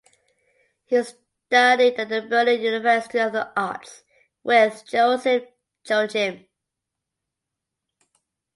He studied at the Berlin University of the Arts with Joseph Joachim.